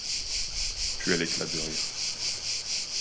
puis elle éclate de rire.